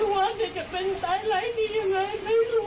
คุณพ่อคุณแม่จะตามใส่นี่ยังไงด้วยตือดูครับ